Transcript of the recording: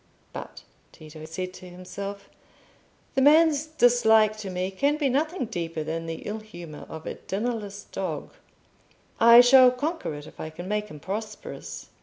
"But," Tito said to himself, "the man's dislike to me can be nothing deeper than the ill humour of a dinnerless dog; I shall conquer it if I can make him prosperous."